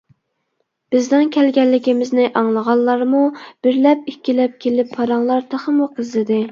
بىزنىڭ كەلگەنلىكىمىزنى ئاڭلىغانلارمۇ بىرلەپ، ئىككىلەپ كېلىپ پاراڭلار تېخىمۇ قىزىدى.